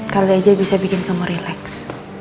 kali agrade bisa bikin kamu rileks